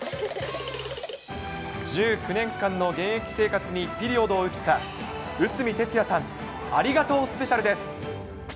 １９年間の現役生活にピリオドを打った内海哲也さん、ありがとうスペシャルです。